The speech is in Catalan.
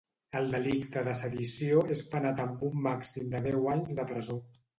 El delicte de sedició és penat amb un màxim de deu anys de presó.